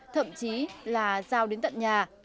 thậm chí là giao đến tận nhà